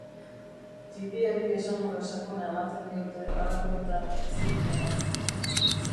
Tipiari esangura sakona ematen diote halakoetan bizi direnek.